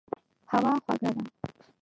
هوا خوږه ده.